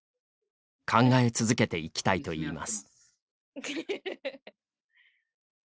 考え続けていきたいといいます。